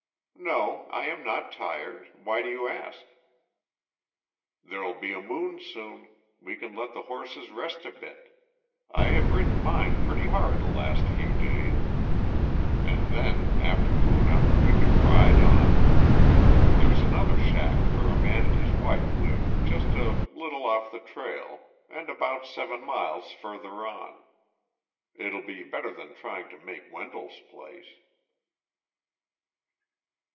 "No, I am not tired. Why do you ask?" "There'll be a moon soon. We can let the horses rest a bit.... I have ridden mine pretty hard the last few days ... and then after moon up we can ride on. There's another shack where a man and his wife live just a little off the trail and about seven miles further on. It'll be better than trying to make Wendell's place."